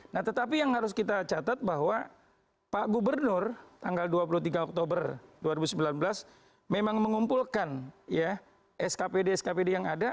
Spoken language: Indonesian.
nah tetapi yang harus kita catat bahwa pak gubernur tanggal dua puluh tiga oktober dua ribu sembilan belas memang mengumpulkan ya skpd skpd yang ada